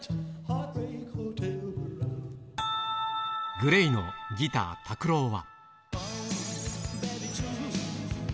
ＧＬＡＹのギター、ＴＡＫＵＲＯは。